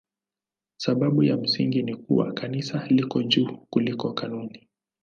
Sababu ya msingi ni kuwa Kanisa liko juu kuliko kanuni.